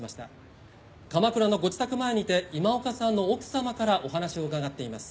「鎌倉のご自宅前にて今岡さんの奥様からお話を伺っています」